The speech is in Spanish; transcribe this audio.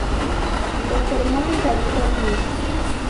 Se formó en California.